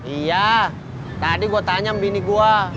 iya tadi gua tanya sama bini gua